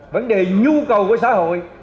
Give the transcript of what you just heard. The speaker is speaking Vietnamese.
vấn đề nhu cầu của xã hội